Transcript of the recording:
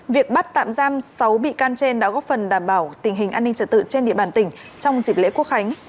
việc bắt tạm giam sáu bị can trên đã góp phần đảm bảo tình hình an ninh trật tự trên địa bàn tỉnh trong dịp lễ quốc khánh